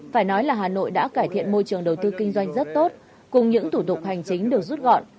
phải nói là hà nội đã cải thiện môi trường đầu tư kinh doanh rất tốt cùng những thủ tục hành chính được rút gọn